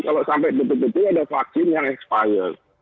kalau sampai betul betul ada vaksin yang expired